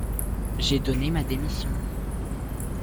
J’ai donné ma démission.